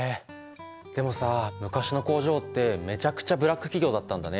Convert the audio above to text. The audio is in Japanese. でもさ昔の工場ってめちゃくちゃブラック企業だったんだね。